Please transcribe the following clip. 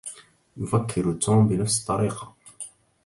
يفكّر توم بنفس الطريقة.